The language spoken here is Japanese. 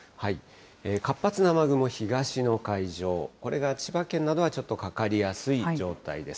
活発な雨雲、東の海上、これが千葉県などはちょっとかかりやすい状態です。